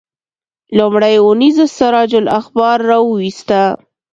لومړۍ اونیزه سراج الاخبار راوویسته.